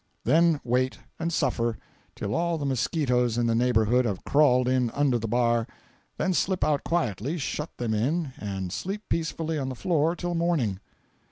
Then wait, and suffer, till all the mosquitoes in the neighborhood have crawled in under the bar, then slip out quickly, shut them in and sleep peacefully on the floor till morning.